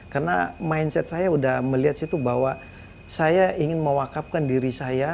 karena mindset saya sudah melihat bahwa saya ingin mewakafkan diri saya